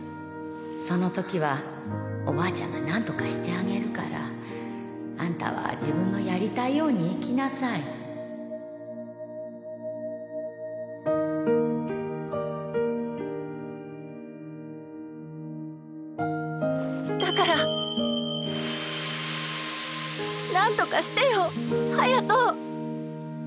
そのときはおばあちゃんがなんとかしてあげるからあんたは自分のやりたいように生きなだからなんとかしてよ隼。